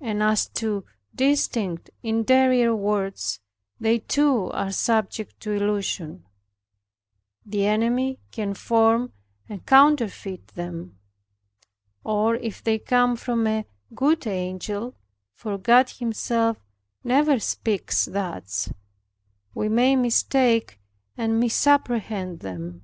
And as to distinct interior words, they too are subject to illusion; the enemy can form and counterfeit them. Or if they come from a good angel (for God Himself never speaks thus) we may mistake and misapprehend them.